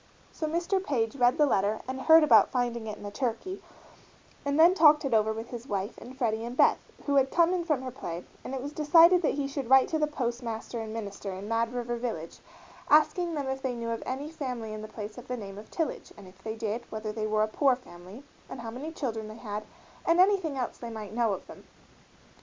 So Mr. Page read the letter and heard about finding it in the turkey, and then talked it over with his wife and Freddie and Beth, who had come in from her play, and it was decided that he should write to the postmaster and minister in Mad River Village asking them if they knew of any family in the place of the name of Tillage, and if they did, whether they were a poor family, and how many children they had, and anything else they might know of them.